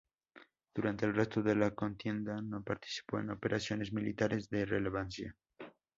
Durante el resto de la contienda no participó en operaciones militares de relevancia.